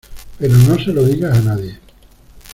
pero no se lo digas a nadie.